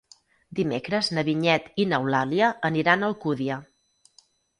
Dimecres na Vinyet i n'Eulàlia aniran a Alcúdia.